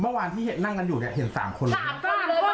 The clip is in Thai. เมื่อวานที่เห็นนั่งกันอยู่เนี่ยเห็นสามคนเลยสามคนเลย